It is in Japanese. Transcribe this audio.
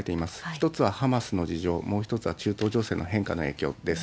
１つはハマスの事情、もう１つは中東情勢の変化の影響です。